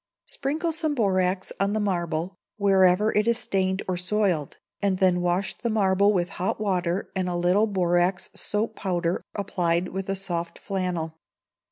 Sprinkle some borax on the marble, wherever it is stained or soiled, and then wash the marble with hot water and a little borax soap powder, applied with a soft flannel.